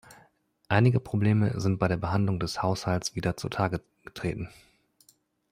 Einige Probleme sind bei der Behandlung des Haushalts wieder zu Tage getreten.